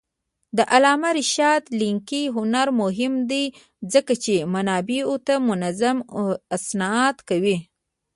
د علامه رشاد لیکنی هنر مهم دی ځکه چې منابعو ته منظم استناد کوي.